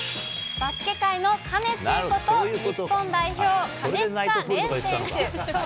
バスケ界のかねちーこと、日本代表、金近廉選手。